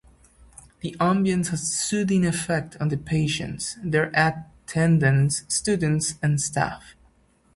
The ambience has a soothing effect on the patients, their attendants, students and staff.